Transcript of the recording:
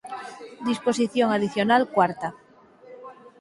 Disposición adicional cuarta.